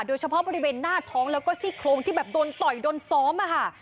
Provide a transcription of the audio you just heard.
โดยเฉพาะบริเวณหน้าท้องแล้วก็ซี่โครงที่แบบโดนต่อยโดนซ้อมอะค่ะ